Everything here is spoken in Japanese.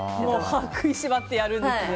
歯を食いしばってやるんですね。